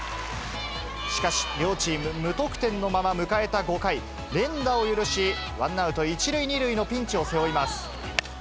しかし、両チーム無得点のまま迎えた５回、連打を許し、ワンアウト１塁２塁のピンチを背負います。